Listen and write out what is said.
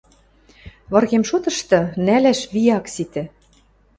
Выргем шотышты — нӓлӓш ви ак ситӹ.